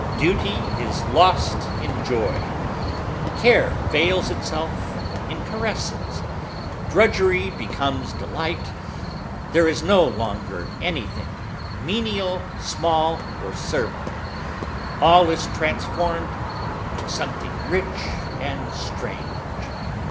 Duty is lost in joy. Care veils itself in caresses. Drudgery becomes delight. There is no longer anything menial, small, or servile. All is transformed "Into something rich and strange."